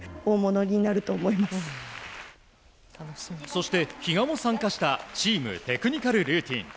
そして、比嘉も参加したチームテクニカルルーティン。